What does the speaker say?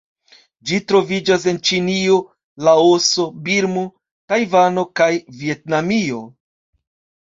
Ĝi troviĝas en Ĉinio, Laoso, Birmo, Tajvano kaj Vjetnamio.